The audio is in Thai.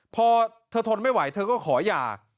พอเธอทนไม่ไหวเธอก็ขอหย่า